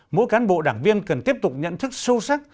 mỗi cán bộ đảng viên cần tiếp tục nhận thức sâu sắc